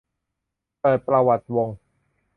เปิดประวัติวง